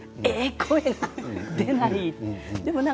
翌日声が出ない。